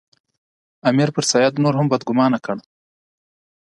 امیر پر سید نور هم بدګومانه کړ.